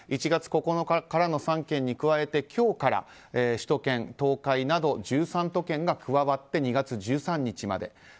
１月９日からの３県に加えて今日から首都圏、東海など１３都県が加わって２月１３日まで。